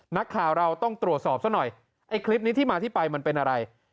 นักข่าวเราต้องตรวจสอบซะหน่อยไอ้คลิปนี้ที่มาที่ไปมันเป็นอะไร